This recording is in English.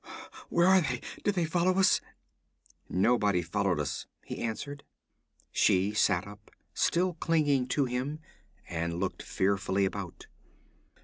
'Where are they? Did they follow us?' 'Nobody followed us,' he answered. She sat up, still clinging to him, and looked fearfully about.